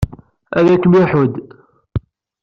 Ad kem-iḥudd.